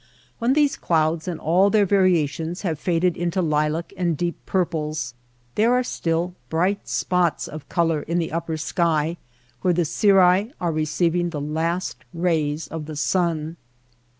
When these clouds and all their variations have faded into lilac and deep pur ples, there are still bright spots of color in the upper sky where the cirri are receiving the last rays of the sun.